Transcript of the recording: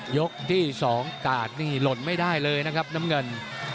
ยกที่๒กาดนี่หล่นไม่ได้เลยนะครับน้ำเงิน